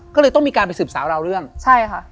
ก็เลยต้องมีการไปสืบสาวราวเรื่องใช่ค่ะ